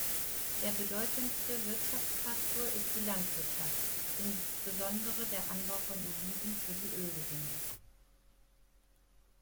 Der bedeutendste Wirtschaftsfaktor ist die Landwirtschaft, insbesondere der Anbau von Oliven für die Ölgewinnung.